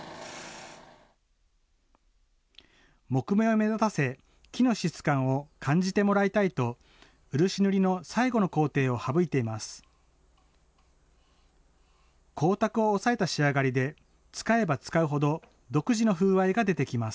木目を目立たせ、木の質感を感じてもらいたいと、漆塗りの最後の工程を省いています。